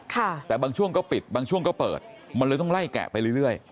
แต่บางช่วงก็ปิดบางช่วงก็เปิดมันเลยต้องไล่แกะไปเรื่อยเรื่อย